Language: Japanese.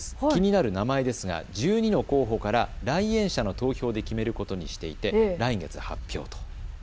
気になる名前ですが１２の候補から来園者の投票で決めることにしていて来月発表と。